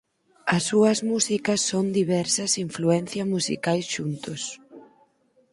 As súas músicas son diversas influencia musicais xuntos.